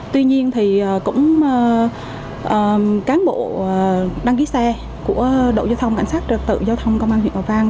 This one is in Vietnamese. tuy nhiên thì cũng cán bộ đăng ký xe của đội giao thông cảnh sát trật tự giao thông công an huyện hòa vang